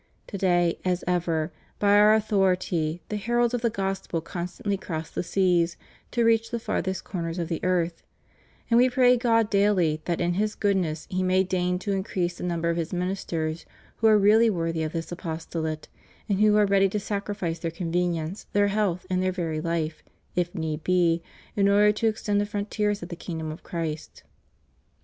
To day, as ever, by Our authority, the heralds of the Gospel constantly cross the seas to reach the farthest corners of the earth; and We pray God daily that in His goodness He may deign to in crease the number of His ministers who are really worthy of this apostolate, and who are ready to sacrifice their convenience, their health, and their very Hfe, if need be, in order to extend the frontiers of the kingdom of Christ.